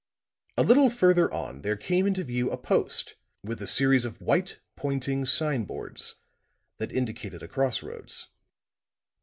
A little further on there came into view a post with a series of white, pointing sign boards, that indicated a cross roads.